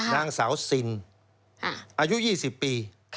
นางสาวซินอายุ๒๐ปี